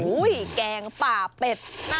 โอ้โหแกงป่าเป็ดน่ารัก